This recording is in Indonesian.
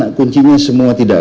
yang kelilingnya banyak